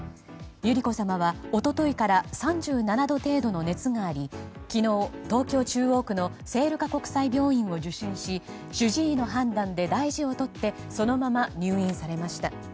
百合子さまは一昨日から３７度程度の熱があり昨日、東京・中央区の聖路加国際病院を受診し主治医の判断で大事をとってそのまま入院されました。